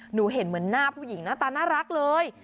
หนูเห็นเหมือนหน้าผู้หญิงหน้าตาน่ารักเลย